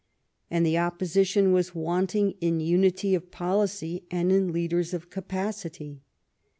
And the opposition was wanting in unity of policy and in leaders of capacity.